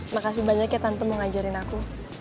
makasih banyak ya tante mau ngajarin aku